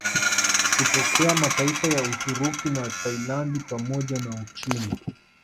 Kutokea mataifa ya Uturuki na Thailandi pamoja na Uchina